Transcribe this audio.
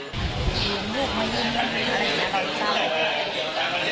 ไม่ใช่